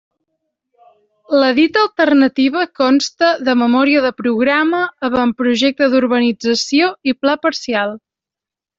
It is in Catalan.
La dita alternativa consta de memòria de programa, avantprojecte d'urbanització i pla parcial.